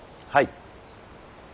はい。